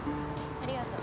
ありがとう。